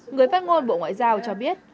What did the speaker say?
người phát ngôn bộ ngoại giao cho biết